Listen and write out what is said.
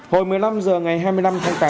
hồi một mươi năm h ngày hai mươi năm tháng tám